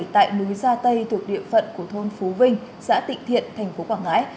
tại núi gia tây thuộc địa phận của thôn phú vinh xã tịnh thành phố quảng ngãi